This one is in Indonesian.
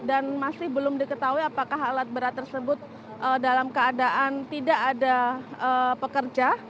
dan masih belum diketahui apakah alat berat tersebut dalam keadaan tidak ada pekerja